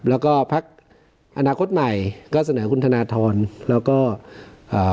แล้วก็พักอนาคตใหม่ก็เสนอคุณธนทรแล้วก็อ่า